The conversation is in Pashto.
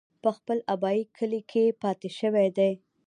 پۀ خپل ابائي کلي کښې پاتې شوے دے ۔